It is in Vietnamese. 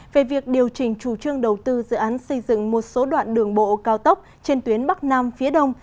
về việc điều chỉnh chủ trương đầu tư dự án xây dựng một số đoạn đường bộ cao tốc trên tuyến bắc nam phía đông